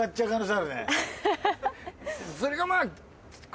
それかまあ。